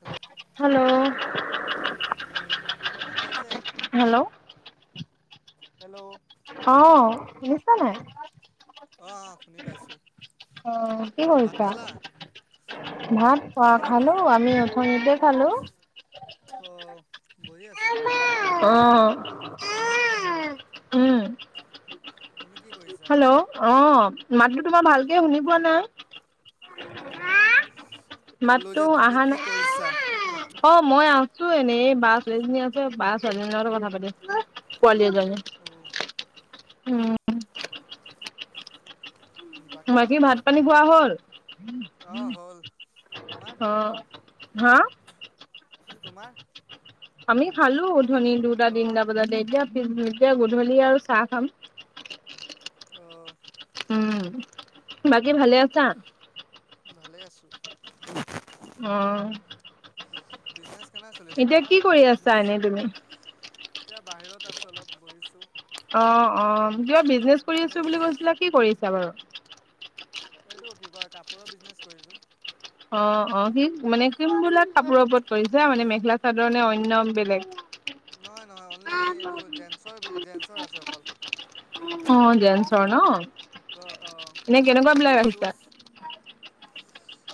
Hello? Hello? Hello? মাত আহিছে? Hello hello? অ' শুনিছা নাই? অঁ শুনি পাইছোঁ। অ' কি ভাত কৰিছা? খালা? ভাত অ' মই বহি খালো আমি অথনিতে খালো। অ' বহি আছোঁ, তুমি? অ'। উম। [inaudible] কৰিছা? হেল্ল'? অ' মাততো তোমাৰ ভালকে শুনি পোৱা নাই? অ' ক'লো মাততো যে তুমি আহা কি নাই। কৰিছা? অ' মই আছো এনেই, এই বা ছোৱালীজনী আছে বা ছোৱালীজনীৰ লগতে কথা পাতি আছো, পোৱালী এজনী। অ'। উম। [inaudible] বাকী খবৰ ভাত পাতি? পানী খোৱা হ'ল? অ' হ'ল। তোমাৰ? অ'। হা। তোমাৰ। আমি খালো তুমি অথনি দুটা অ' তিনিটা বজাতে এতিয়া এতিয়া গধূলি আৰু চাহ খাম। অ'। উম' বাকী ভালে আছা। ভালেই আছো। অ'। বিজনেচ কেনে চলি আছে এতিয়া কি তোমাৰ কৰি আছা বিজনেচ এনেই তুমি? এতিয়া বাহিৰত আছো অলপ বহিছো। অ', অ' কিবা বিজনেচ কৰি আছো বিজনেছ বুলি কৈছিলা কি কৰি আছা বাৰু? এইটো কি কয় কাপোৰৰ বিজনেছ কৰিছো। অ', অ' সি মানে কোনবিলাক কাপোৰৰ ওপৰত কৰিছা মানে মেখেলা চাদৰ নে অন্য বেলেগ? নহয়, নহয় অনলি এইটো জেঞ্চৰ জেঞ্চৰ আছে অকল। অ' জেঞ্চৰ নঅ। আহ, আহ এনেই যেচুচ।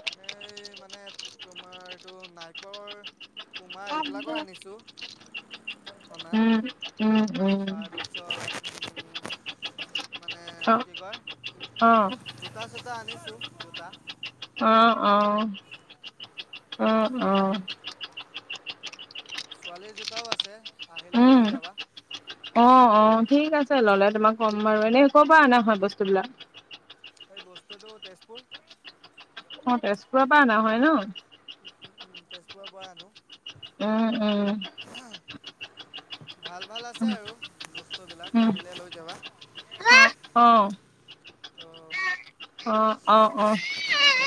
এনেই মানে তোমাৰ এইটো নাই। নাইকৰ, পুমাৰ এইবিলাকৰ আনিছোঁ, অনাত। উম', উম'। উম। তাৰ পিছত মানে এইটো অ', কি কয় অ'। জোতা চোতা আনিছো জোতা অ' অ' অ' অ'। ছোৱালীৰ জোতাও আছে আহিলে উম। লৈ যাবা। অ' অ' ঠিক আছে ল'লে তোমাক ক'ম বাৰু এনেই কৰ পৰা অনা হয় বস্তুবলাক? এই বস্তুটো তেজপুৰ। অ' তেজপুৰৰ পৰা অনা হয় ন? ও' ও' তেজপুৰৰ পৰা আনো। উম', উম'। ভাল ভাল আছে আৰু বস্তু বিলাক উম, আহিলে লৈ যাবা। অ'। অ'। অ' অ' অ'।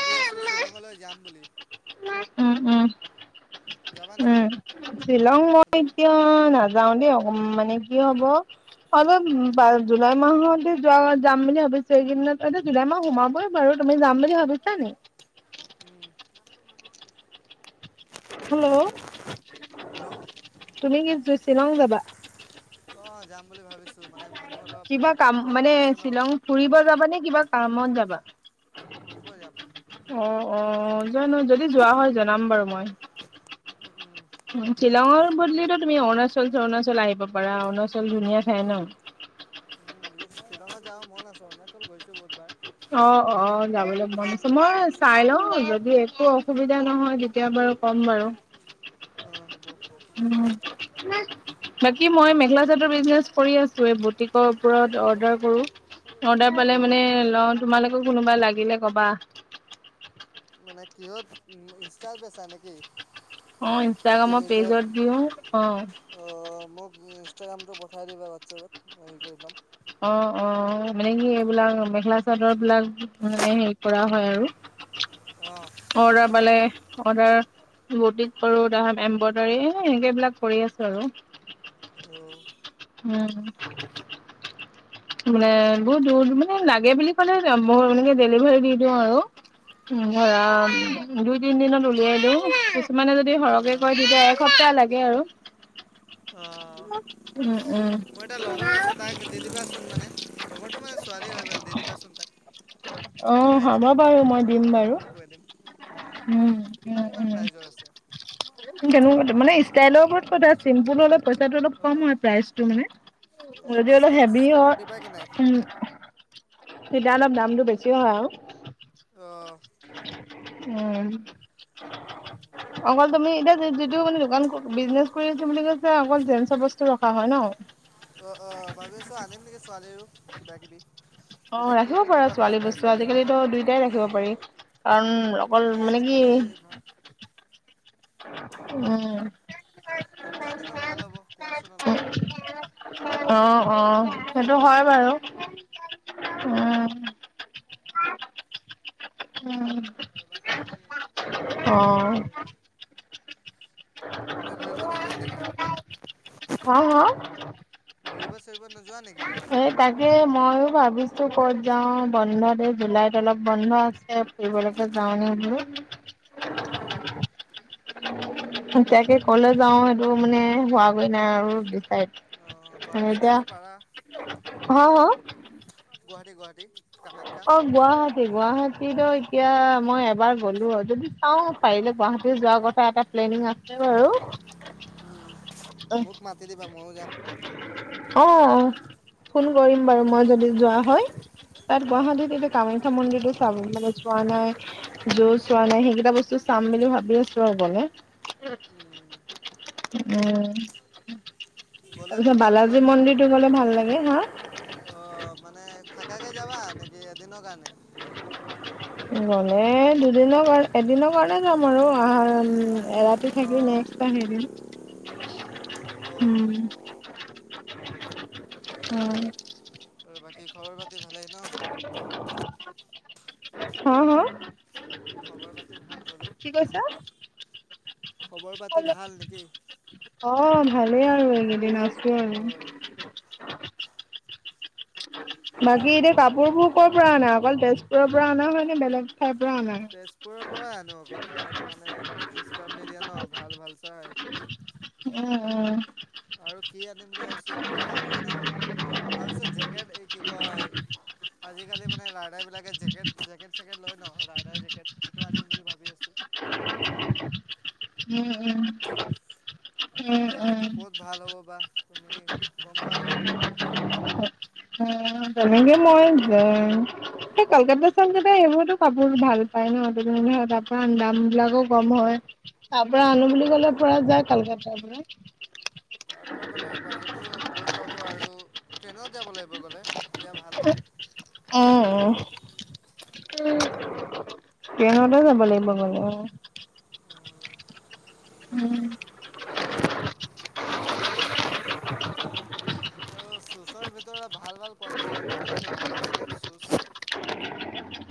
ভাবি আছোঁ শ্বিলঙলৈ যাম বুলি। উম', উম', যাবা নেকি উম' শ্বিলং মই হেল্ল' এতিয়া অ' নাযাও দেই অ মানে কি হব অলপ উম, [unintelligible] জুলাই মাহতে যোৱা যাম বুলি ভাবিছো এই কেইদিনত জুলাই মাহ সোমাবই বাৰু তুমি যাম বুলি ভাবিছা? বুজিছা নে নাই? উম'। ও' হেল্ল' তুমি কি শ্বিলং যাবা? অ' যাম বুলি ভাবিছো মানে মানু কিবা কাম মানে শ্বিলং ফুৰিব যাবা নে কিবা কামত যাবা? ফুৰিব যাম। অ' অ' জানো যদি যোৱা হয় জনাম বাৰু মই। উম', উম', উম'। অ'কে শ্বিলঙৰ বদলিতো তুমি অৰুণাচল চৰুণাচল আহিব পাৰা অৰুণাচল ধুনীয়া ঠাই ন। উম বুজিছো শ্বিলঙত যাবলৈ মন আছে, অৰুণাচল গৈছোঁ বহুতবাৰ। অ অ যাবলৈ মন আছো মই চাই ল যদি একো অসুবিধা নহয় তেতিয়া বাৰু ক'ম বাৰু। অ হ'ব। উম। বাকী মই মেখেলা চাদৰ বিজনেচ কৰি আছো, এই বুটিক ওপৰত অৰ্ডাৰ কৰো। অৰ্ডাৰ পালে মানে অ' লওঁ তোমালোকে কোনোবা লাগিলে কবা। মানে কিহত ইনষ্টাৰ বেচা নেকি? অ নেকি ইনষ্টাগ্ৰামৰ নিজৰ পেজত দিওঁ অহ। অঁ মোক ইনষ্টাগ্ৰামটো পঠাই দিবা হোৱাটছাপত হেৰি কৰি ল'ম। অ অ মানে কি এইবিলাক মেখেলা চাদৰ বিলাক মানে হেৰি কৰা হয় আৰু। অহ। অৰ্ডাৰ পালে অডাৰ বৌটিক কৰো তাৰপাছত এমব্ৰইডাৰী এনেকে বিলাক কৰি আছোঁ আৰু। অ। উম। টো মানে বহুত দূৰ মানে লাগে বুলি ক'লে মই এনেকে ডেলিভাৰী দি দিওঁ আৰু। ধৰা দুই, তিন দিনত উলিয়াই দিওঁ কিছুমানে যদিক সৰহকে কৈ তেতিয়া এসপ্তাহ লাগে আৰু। অহ, উম উম মোৰ এটা লগৰ আছে তাক দি দিবা লগৰটো মানে ছোৱালী হয়, বাৰু দি দিবাচোন তাক। মই অ পঠাই দিম হ'ব বাৰু মই দিম কল বাৰু, কৰি কৈ দিম। উম কিমান কিমান উ উ। প্ৰাইজৰ আছে? [inaudible] মানে ষ্টাইলৰ ওপৰত কথা চিম্পুল অলপ পইচাটো অলপ কম হয় অ' প্ৰাইচ টো মানে, [inaudible] [inaudible] দিবা কি নাই। উম তেতিয়া অলপ দামটো বেছি হয় আৰু। অ। উম। উম। অকল তুমি এতিয়া যি-যিটো মানে দোকান বিজনেছ কৰি আছোঁ বুলি কৈছে, অকল জেন্চৰ বস্তু ৰখা হয় ন? অ অ ভাবি আছোঁ আনিম নেকি ছোৱালীৰো কিবা কিবি। অ এতিয়া কি ৰাখিব পাৰা পিন্ধিবা ভাল ছোৱালী পায় বস্তু চবে। আজিকালিটো দুইটাই ৰাখিব পাৰি কাৰণ অকল কি মানে আনিম বুলি কি উম। কোনটো আনিবা ভাল হ'ব, কোৱাচোন অলপ? অ অ সেইটো হয় বাৰু, উম। উম। আৰু বাকী অ কি অ কয় তুমি ঘূৰিব নোযোৱা নেকি? অ', অ', ঘূৰিব চুৰিব নোযোৱা নেকি ক'ত এই তাকে মইও ভাবিছোঁ ক'ত যাওঁ বন্ধত, এই জুলাইত অলপ বন্ধ আছে। [inaudible] অহ। এতিয়াকে ক'লে যাওঁ সেইটো মানে হোৱাগৈ নাই আৰু দিচাইট। [unintelligible] গুৱাহাটীত এতিয়া আহিব পাৰা। হ' হ' গুৱাহাটী গুৱাহাটী। কামাখ্যা অ' চাব। গুৱাহাটী গুৱাহাটী তই এতিয়া মই এবাৰ গ'লো, যদি চাওঁ পাৰিলে গুৱাহাটী যোৱা কথা এটা প্লেনিং আছে বাৰু। মোক মাতি দিবা, ময়ো যাম। অ' ফোন কৰিম বাৰু! মই যদি যোৱা হয়। তাত অ' গুৱাহাটীত এতিয়া কামাখ্যা মন্দিৰতো চাব মানে যোৱা নাই। [unintelligible] চোৱা অ'। নাই, সেইকেইটা বস্তু চাম বুলি ভাবি আছোঁ আৰু গলে। উম, উম'। গ'লে তাৰপিছত কোনটো বালাজী মন্দিৰটো গ'লে ভাল লাগে। হা'? অ' মানে থাকাকে যাবা নেকি এদিনৰ কাৰণে? গলে দুদিনৰ কাৰ এদিনৰ কাৰণে যাম আৰু আহা এৰাতি অ, থাকিমেই। অ, [inaudible] উম'। আৰু বাকী খবৰ-পাতি ভালেই ন? [inaudible] হা' হা'? খবৰ পাতি ভাল বোলো, কি কৈছা খবৰ-পাতি ভাল নেকি? অ' ভালেই আৰু এইকেইদিন আছো আৰু। অ বাকী, এতিয়া আৰু বাকী কাপোৰবোৰ ক'ৰ পৰা অনা? অকল তেজপুৰৰ পৰা অনা হয় নে বেলেগ? ঠাইৰ পৰা অনা উম তেজপুৰৰ পৰাই আনো, অকল তাত মানে অলপ ডিছকাউণ্ট দি দিয়ে ন ভাল ভাল চাই। উম উম। আৰু কি আনিম বুলি ভাবিছো ইমান ভাল যোৱা নাই মানে, ভাবিছো জেকেট এই কি কয় আজিকালি মানে ৰাইডাৰ বিলাকে জেকেট জেকেট-চেকেট লয় ন, ৰাইডাৰ জেকেট এইটো আনিম বুলি ভাবি আছো উম উম। এতিয়া উম এইটো উম ক'ত ভাল হ'ব বা তুমি গম পোৱা নেকি ক'তো? তেনেকে মই যাম এই কলকাতাত। কলকাতাত সেইবোৰতো কাপোৰ ভাল পায় ন, [unintelligible] তাৰ পৰা আনিবা অ'। দাম বিলাকো কম হয়। তাৰ পৰা আনো বুলি ক'লে পৰা যায় কালকাতাৰ পৰা। তাৰপৰা গ'লে বাজেটো বহুত ল'ব আৰু ট্ৰেইনত যাব লাগিব গ'লে তেতিয়া ভাল। উম, ট্ৰেইনতে যাব লাগিব গলে। উম। আৰু শ্বুচৰ ভিতৰত ভাল ভাল কোৱালিটিৰ কোনটো কোনটো ভাল হ'ব এনেই শ্বুচ?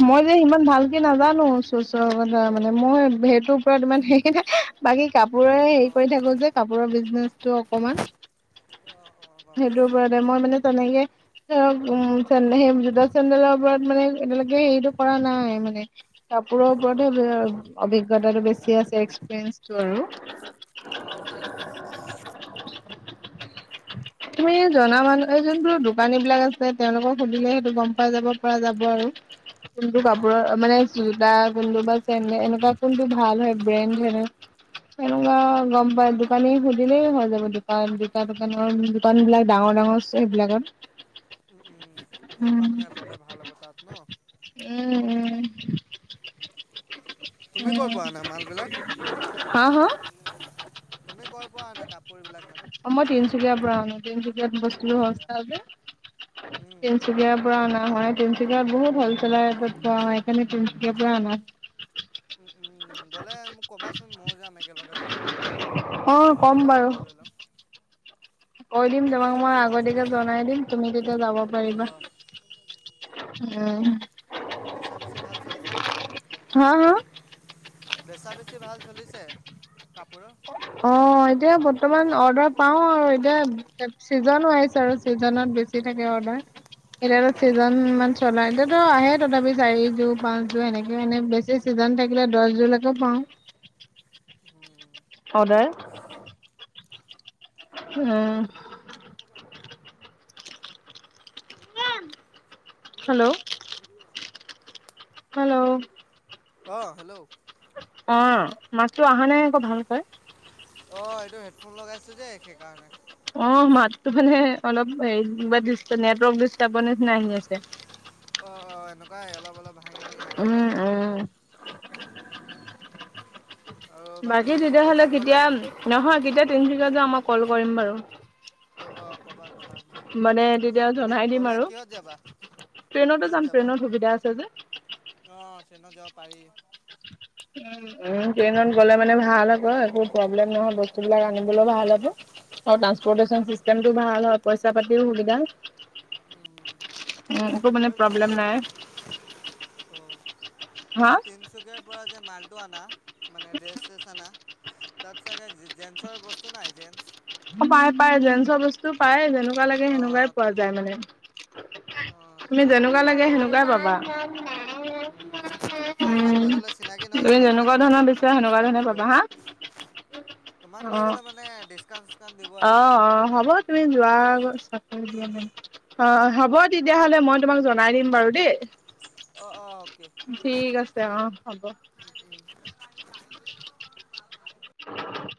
মই যে সিমান ভালকে নাজানো, শ্বুচৰ কথা মানে অ', মই সেইটোৰ ওপৰত ইমান [unintelligible] বাকী কাপোৰে হেৰি অ'। কৰি থাকো যে কাপোৰৰ বিজনেছটো অকমান। অ' অ' গম সেইটোৰ পাইছো। ওপৰতে মই মানে তেনেকে ধৰক উ সেই জোতা চেণ্ডেলৰ ওপৰত মানে যে হেৰিটো কৰা নাই, মানে কাপোৰৰ অ'। ওপৰতহে অভিজ্ঞতাটো বেছি আছে এক্সপিৰিয়েঞ্চটো আৰু। অহ'! তুমি জনা মানুহ এই যোনটোৰ দোকানী বিলাক আছে তেওঁলোকক সুধিলে সেইটো গম পোৱা যাব, পৰা যাব আৰু। [inaudible] কোনটো অ', কাপোৰৰ মানে জোতা কোনটো বা চেনডেল এনেকুৱা কোনটো ভাল হয় ব্ৰেণ্ড [unintelligible] সেনেকুৱা গম উম, পাই দোকানী খুধিলেই হৈ যাব দোকান দুটা দোকানৰ। দোকান বিলাক ডাঙৰ ডাঙৰ আছে সেইবিলাকত। উম, উম য'ৰ উম পৰা মানে ল'লে ভাল হ'ব তাত ন। উম, উম তুমি ক'ৰ উম পৰা আনা মালবিলাক? হা, হা? তুমি ক'ৰ পৰা আনা কাপোৰ বিলাক মানে? অ' মই তিনচুকীয়াৰ পৰা আনো তিনচুকীয়াত বস্তুোৰ তিনিচুকীয়া? সস্তা যে। উম, তিনচুকীয়া পৰা অনা হয়। তিনচুকীয়াত বহুত হোল চেলাৰ ৰেটট পোৱা হয় সেইকাৰণে তিনচুকীয়াৰ পৰা অনা [inaudible] উম গ'লে মোক ক'বাচোন ময়ো যাম, একেলগে দুই জন। অ তুমিও লৈ ক'ম ল'বা বাৰু ময়ো লৈ ল'ম। কৈ দিম মানে তোমাক বেচা মই বেছি ভাল আগতিয়াকে চলিছে জনাই দিম তুমি তেতিয়া যাব পাৰিবা। অহ উম বেচা বেছি ভাল চলিছেনে হা হা বেচা বেছি ভাল চলিছে কাপোৰৰ। অ' এতিয়া বৰ্তমান অৰ্ডাৰ পাও আৰু এতিয়া চিজন আহিছে আৰু ছিজনত বেছি থাকে অৰ্ডাৰ এতিয়াতো চিজন অঁ ইমান চলা এতিয়াতো আহে তথাপি চাৰি পাঁচ জোৰ এনেকে মানে বেছি উম উম চিজন থাকিলে দহ জোৰ লোকে পাওঁ। উম। অ'দাৰ। উম। [unintelligible] [inaudible] ত কিবা এটা ঘূৰি আহে। হেল্ল'? অ' হেল্ল'? অ' মাতো অহা নাই আকৌ ভালকৈ। অ' এইটো হেডফোন লগাইছোঁ যে সেইকাৰণে। অ' মাততো মানে অলপ হ মোৱা দিষ্ট নেটৱৰ্ক দিৰ্ষ্টাবৰ নিচিনা আহি আছে। অ' অ' এনেকুৱাই অলপ অলপ ভাঙি ভাঙি আহে উম বাৰু। উম আৰু বাকী তেতিয়াহ'লে ক'ৰবাত গ'লে কেতিয়া নহয় কেতিয়া তিনচুকীয়া যাওঁ মই ক'ল কৰিম বাৰু। অ' অ' ক'বা ক'বা। মানে তেতিয়া এনে জনাই দিম গ'লে আৰু। কিহত যাবা ট্ৰেইনতে যাম ট্ৰেইনত সুবিধা আছে যে। অ' ট্ৰেইনত যাব পাৰি। উম। উম, ট্ৰেইনত গ'লে মানে ভাল হ'ব একো প্ৰব্লেম নহয় বস্তুবিলাক আনিবলৈ ভাল হ'ব। অঁ অ' ট্ৰাঞ্চপ'ৰটেচন চিষ্টেমটো ভাল হয়, পইচা পাতিৰো সুবিধা। উ একো মানে আৰু তুমি প্ৰব্লেম নাই। অঁ তুমি হা তিনিচুকীয়াৰ পৰা যে মালটো আনা মানে ড্ৰেছ চেচ আনা তাত চাগে জেনচৰ বস্তু নাই জেঞ্চ? অ' পায় পায় জেঞ্চৰ বস্তু পায় যেনেকুৱা লাগে সেনেকুৱাই পোৱা যায় মানে। অ' তুমি তোমাক লৈ যেনেকুৱা গ'লে লাগে এইটো, সেনেকুৱাই পাবা উম। তোমাক উম লৈ গ'লে চিনাকি নহয় তুমি জানো যেনেকুৱা দোকানটো ধৰণৰ মোক বিচৰা সেনেকুৱা ডিছকাউণ্ট ধৰণে দিব। পাবা হা তোমাক অ লৈ গ'লে মানে ডিছকাউণ্ট চিছকাউণ্ট দিব আৰু অ' অ' হ'ব তুমি যোৱা আগত [unintelligible] অ', হ'ব তেতিয়াহ'লে মই তোমাক জনাই দিম বাৰু দেই। অঁ অঁ ঠিক আছে অ' হ'ব। উম।